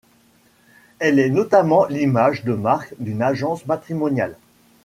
Elle est notamment l'image de marque d'une agence matrimoniale.